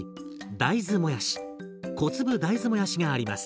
大豆もやし小粒大豆もやしがあります。